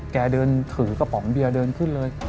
เดินถือกระป๋องเบียร์เดินขึ้นเลย